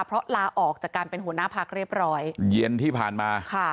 เพราะลาออกจากการเป็นหัวหน้าพักเรียบร้อยเย็นที่ผ่านมาค่ะ